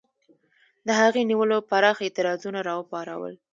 د هغې نیولو پراخ اعتراضونه را وپارول.